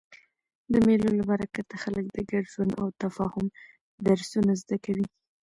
د مېلو له برکته خلک د ګډ ژوند او تفاهم درسونه زده کوي.